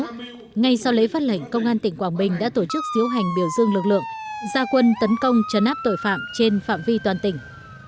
trước đó ngay sau lễ phát lệnh công an tỉnh quảng bình đã tổ chức diễu hành biểu dương lực lượng gia quân tấn công chấn áp tội phạm trên phạm vi toàn tỉnh